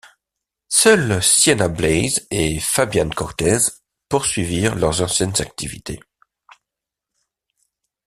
Seule Sienna Blaze et Fabian Cortez poursuivirent leurs anciennes activités.